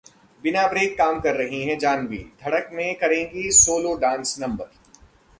बिना ब्रेक काम कर रहीं हैं जाह्नवी, 'धड़क' में करेंगी सोलो डांस नंबर